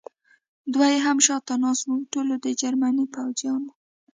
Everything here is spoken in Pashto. دوه یې هم شاته ناست و، ټولو د جرمني پوځیانو.